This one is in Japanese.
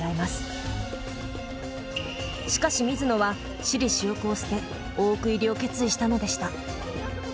しかし水野は私利私欲を捨て大奥入りを決意したのでした。